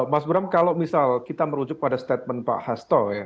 mas bram kalau misal kita merujuk pada statement pak hasto ya